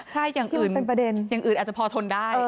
ใช่อย่างอื่นอาจจะพอทนได้